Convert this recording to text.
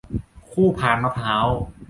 คู่พานมะพร้าว